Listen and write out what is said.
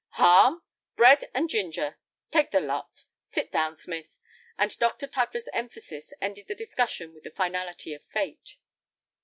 "Harm! Bread and ginger. Take the lot. Sit down, Smith," and Dr. Tugler's emphasis ended the discussion with the finality of fate.